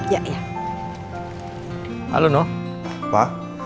ini dari nanti